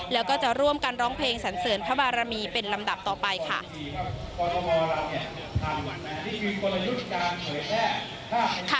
แล้วก็จะร่วมกันร้องเพลงสันเสริญพระบารมีเป็นลำดับต่อไปค่ะ